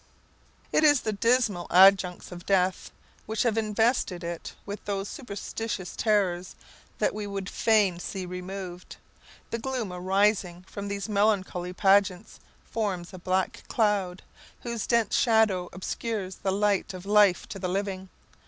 It is the dismal adjuncts of death which have invested it with those superstitious terrors that we would fain see removed. The gloom arising from these melancholy pageants forms a black cloud, whose dense shadow obscures the light of life to the living.